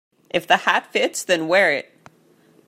If the hat fits, then wear it!